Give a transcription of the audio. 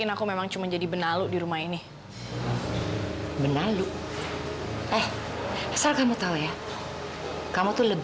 aku akan selalu jagain kamu